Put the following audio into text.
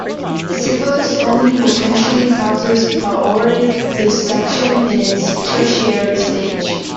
Syphilis only potentially causes aortic dissection in its tertiary stage.